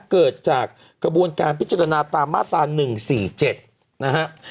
เกิดจากกระบวนการพิจารณาตามมาตรา๑๔๗นะฮะ